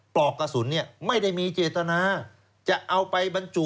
ปอกกระสุนนี้ไม่ได้มีเจตนา